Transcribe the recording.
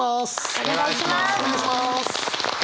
お願いします！